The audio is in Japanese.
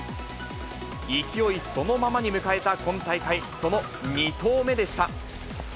勢いそのままに迎えた今大会、その２投目でした。